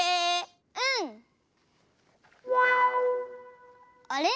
うん。あれ？